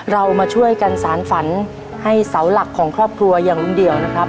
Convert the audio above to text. เรามาช่วยกันสารฝันให้เสาหลักของครอบครัวอย่างลุงเดี่ยวนะครับ